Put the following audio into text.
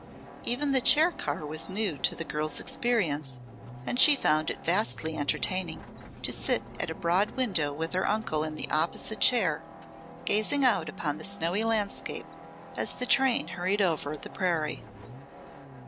Even the chair car was new to the girl's experience and she found it vastly entertaining to sit at a broad window with her uncle in the opposite chair, gazing out upon the snowy landscape as the train hurried over the prairie.